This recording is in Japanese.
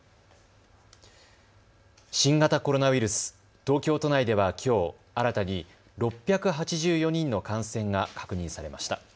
新型コロナウイルス、東京都内ではきょう、新たに６８４人の感染が確認されました。